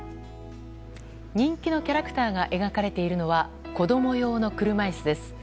人気のキャラクターが描かれているのは子供用の車椅子です。